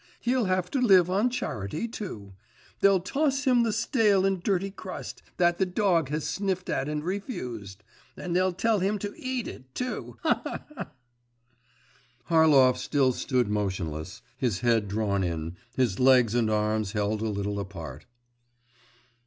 He'll have to live on charity too. They'll toss him the stale and dirty crust, that the dog has sniffed at and refused.… And they'll tell him to eat it, too. Ha, ha, ha!' Harlov still stood motionless, his head drawn in, his legs and arms held a little apart.